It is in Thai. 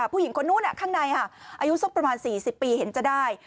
ผู้หญิงคนนู้นข้างในอายุสักประมาณ๔๐ปีเห็นจะได้